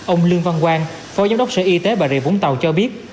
ông lương văn quang phó giám đốc sở y tế bà rịa vũng tàu cho biết